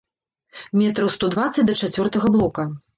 Метраў сто дваццаць да чацвёртага блока.